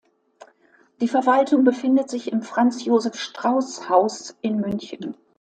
Die Verwaltung befindet sich im Franz Josef Strauß-Haus in München.